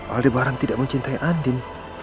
aldebaran tidak mencintai andin